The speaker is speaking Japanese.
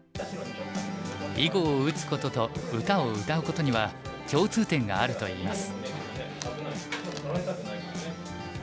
囲碁を打つことと歌を歌うことには共通点があるといいます。